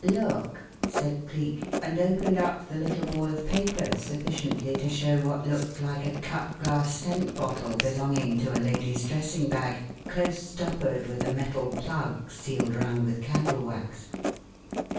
Look!" said Cleek, and opened up the little ball of paper sufficiently to show what looked like a cut glass scent bottle belonging to a lady's dressing bag close stoppered with a metal plug sealed round with candle wax.